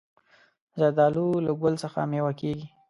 زردالو له ګل څخه مېوه کېږي.